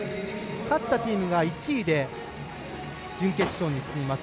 勝ったチームが１位で準決勝に進みます。